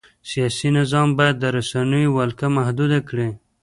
سیاسي نظام باید د رسنیو ولکه محدوده کړي.